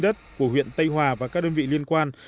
đất của huyện tây hòa và các đơn vị liên quan